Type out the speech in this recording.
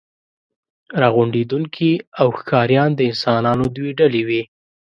راغونډوونکي او ښکاریان د انسانانو دوې ډلې وې.